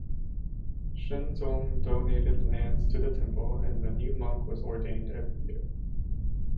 Shenzong donated lands to the temple, and a new monk was ordained every year.